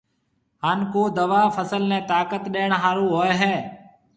هانَ ڪو دوا فصل نَي طاقت ڏيڻ هارون هوئي هيَ۔